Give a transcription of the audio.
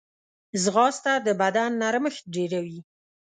ځغاسته د بدن نرمښت ډېروي